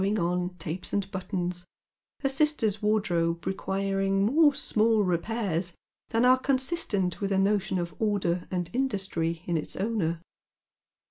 j^ on tapes and buttons, her sister's wardrobe requiring more small repairs than are consistent with a notion of order and industry in its owner.